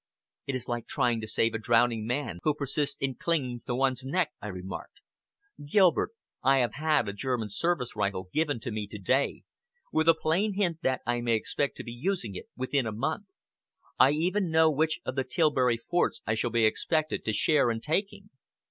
"It is like trying to save a drowning man, who persists in clinging to one's neck," I remarked. "Gilbert, I have had a German service rifle given me to day, with a plain hint that I may expect to be using it within a month. I even know which of the Tilbury forts I shall be expected to share in taking."